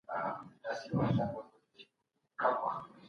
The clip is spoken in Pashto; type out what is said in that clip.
سياسي پرېکړې بايد په ټولنه کي پلي سي.